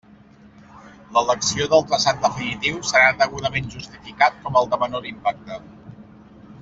L'elecció del traçat definitiu serà degudament justificat com el de menor impacte.